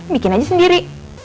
bikin aja sendiri